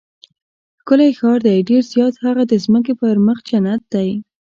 ښکلی ښار دی؟ ډېر زیات، هغه د ځمکې پر مخ جنت دی.